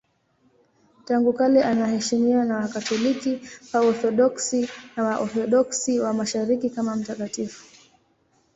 Tangu kale anaheshimiwa na Wakatoliki, Waorthodoksi na Waorthodoksi wa Mashariki kama mtakatifu.